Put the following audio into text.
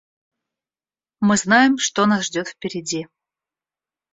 Мы знаем, что нас ждет впереди.